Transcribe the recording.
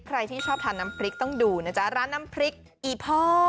ใครที่ชอบทานน้ำพริกต้องดูนะจ๊ะร้านน้ำพริกอีพ่อ